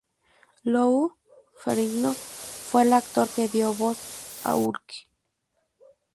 Lou Ferrigno fue el actor que dio voz a Hulk.